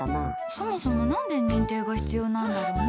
そもそも何で認定が必要なんだろうね？